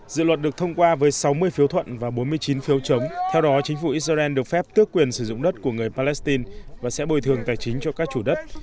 dự luật được thông qua với sáu mươi phiếu thuận và bốn mươi chín phiếu chống theo đó chính phủ israel được phép tước quyền sử dụng đất của người palestine và sẽ bồi thường tài chính cho các chủ đất